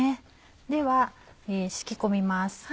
では敷き込みます。